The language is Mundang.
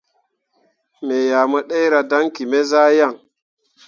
Me ah mu ɗerah daŋki me zah yan.